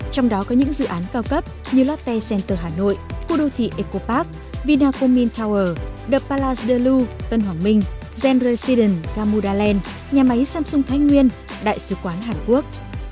trong đó có những dự án cao cấp như lotte center hà nội khu đô thị ecopark vinacommun tower the palace de loup tân hoàng minh zen residence gamuda land nhà máy samsung thái nguyên đại sứ quán hàn quốc